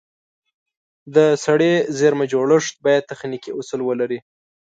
د سړې زېرمه جوړښت باید تخنیکي اصول ولري.